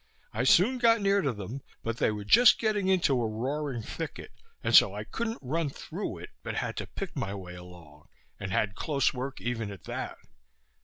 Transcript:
I soon got near to them, but they were just getting into a roaring thicket, and so I couldn't run through it, but had to pick my way along, and had close work even at that.